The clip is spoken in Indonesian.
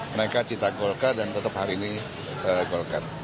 mereka cinta golkar dan tetap hari ini golkar